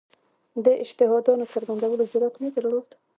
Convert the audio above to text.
د اجتهادونو څرګندولو جرئت نه درلود